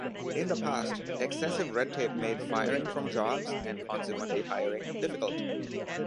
In the past, excessive red tape made firing from jobs, and consequently hiring, difficult.